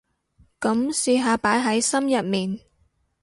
噉試下擺喺心入面